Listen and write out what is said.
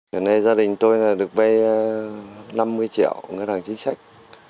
giờ này gia đình tôi là được vay năm mươi triệu ngân hàng chính sách